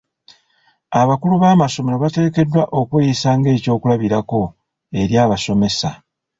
Abakulu b'amasomero bateekeddwa okweyisa ng'ekyokulabirako eri abasomesa.